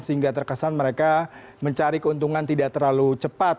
sehingga terkesan mereka mencari keuntungan tidak terlalu cepat